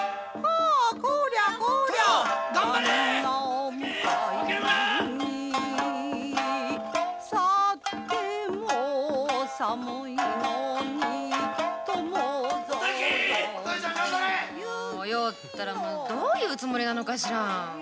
お葉ったらどういうつもりなのかしら？